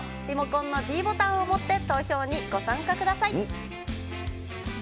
リモコンのｄボタンを持って、投票にご参加ください。